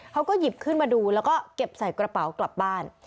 เขาก็หยิบขึ้นมาดูแล้วก็เก็บใส่กระเป๋ากลับบ้าน